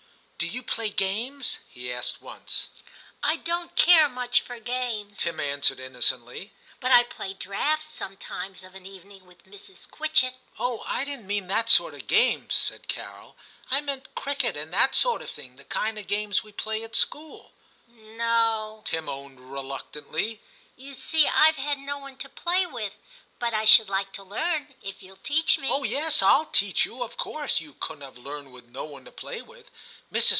* Do you play games }' he asked once. * I don't care much for games,* Tim answered innocently, 'but I play draughts sometimes of an evening with Mrs. Quit chett.' 'Oh! I didn't mean that sort of game,' said Carol ;* I meant cricket and that sort of thing ; the kind of games we play at school.' Ill TIM 47 * No/ Tim owned reluctantly ;* you see IVe had no one to play with, but I should like to learn, if you'll teach me/ * Oh yes, I'll teach you ; of course you couldn't have learnt with no one to play with. Mrs.